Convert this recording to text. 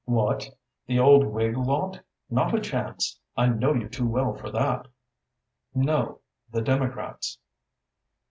"What, the old Whig lot? Not a chance! I know you too well for that." "No, the Democrats."